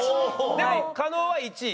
でも加納は１位。